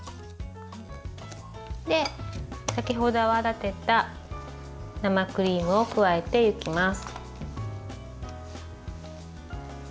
先ほど泡立てた生クリームを加えていきます。